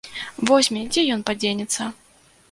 Возьме, дзе ён падзенецца.